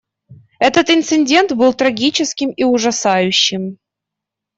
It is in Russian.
Этот инцидент был трагическим и ужасающим.